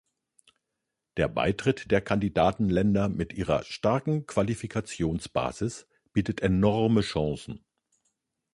Der Beitritt der Kandidatenländer mit ihrer starken Qualifikationsbasis bietet enorme Chancen.